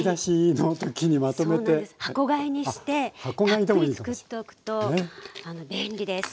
箱買いにしてたっぷり作っておくと便利です。